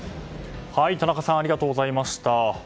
田中さんありがとうございました。